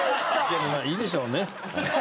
でもまあいいでしょうね。